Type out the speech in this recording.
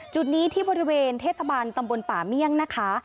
จุดนี้ที่บริเวณเทศบาลตำบลป่าเมี่ยงนะคะ